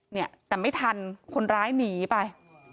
เนี่ยแต่ไม่ทันคนร้ายหนีไป